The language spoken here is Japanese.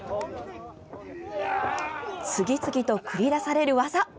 次々と繰り出される技。